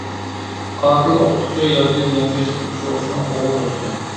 قاتىل ئوقۇتقۇچى ياكى زىيانكەشلىككە ئۇچرىغۇچىنىڭ «ئوغۇل دوستى» .